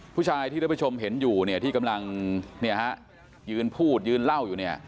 ผู้ชายที่คุณผู้ชมเห็นอยู่ที่กำลังยืนพูดยืนเล่าอยู่